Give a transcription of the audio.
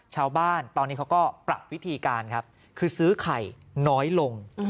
ชาวบ้านตอนนี้เขาก็ปรับวิธีการครับคือซื้อไข่น้อยลง